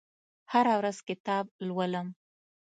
هره ورځ کتاب لولم